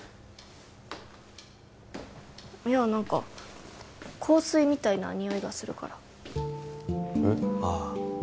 いや何か香水みたいなにおいがするからえっああ